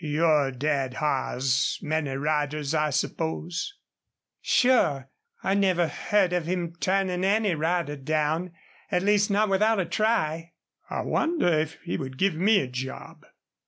"Your dad hires many riders, I supposed?" "Sure I never heard of him turning any rider down, at least not without a try." "I wonder if he would give me a job?"